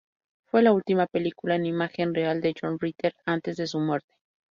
Fue la última película en imagen real de John Ritter antes de su muerte.